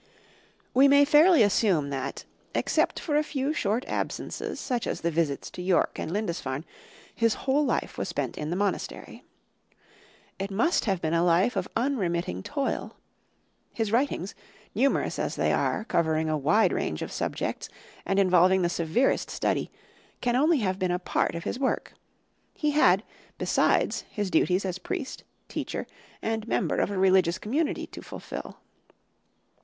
We may fairly assume that, except for a few short absences such as the visits to York and Lindisfarne, his whole life was spent in the monastery. It must have been a life of unremitting toil. His writings, numerous as they are, covering a wide range of subjects and involving the severest study, can only have been a part of his work; he had, besides, his duties as priest, teacher, and member of a religious community to fulfil.